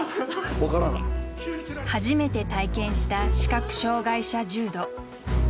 初めて体験した視覚障害者柔道。